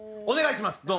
お願いします！